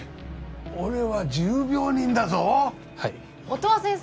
俺は重病人だぞはい音羽先生